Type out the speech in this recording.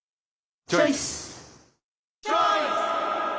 チョイス！